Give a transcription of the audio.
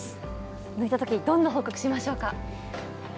抜いたときどんな報告しましょうか？